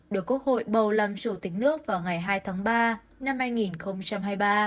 giữ quyền chủ tịch nước vào ngày hai tháng ba năm hai nghìn hai mươi ba